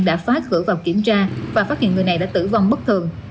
đã phá cửa vào kiểm tra và phát hiện người này đã tử vong bất thường